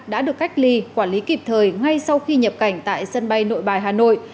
đã được cách ly quản lý kịp thời ngay sau khi nhập cảnh tại sân bay nội bài hà nội